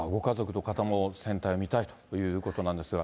ご家族の方も船体を見たいということなんですが。